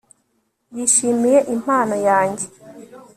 yishimiye impano yanjye